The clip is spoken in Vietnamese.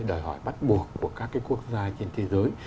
đòi hỏi bắt buộc của các quốc gia trên thế giới